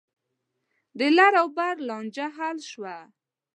د لر او بر لانجه حل شوه.